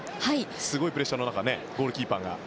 すごいプレッシャーの中ゴールキーパーが。